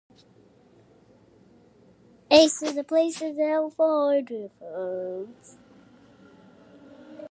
He is married to journalist and author Sagarika Ghose.